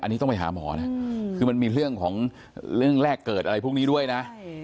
อันนี้ต้องไปหาหมอนะคือมันมีเรื่องของเรื่องแรกเกิดอะไรพวกนี้ด้วยนะ